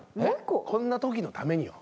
こんなときのためによ。